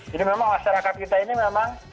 jadi memang masyarakat kita ini memang